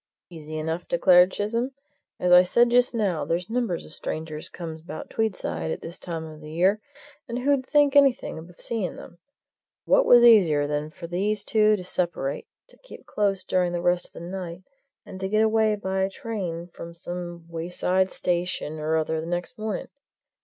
"Easy enough," declared Chisholm. "As I said just now, there's numbers of strangers comes about Tweedside at this time of the year, and who'd think anything of seeing them? What was easier than for these two to separate, to keep close during the rest of the night, and to get away by train from some wayside station or other next morning?